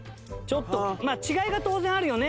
まあ違いが当然あるよね